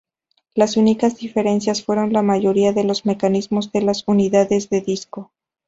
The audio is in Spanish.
Las únicas diferencias fueron la mayoría de los mecanismos de las unidades de disco.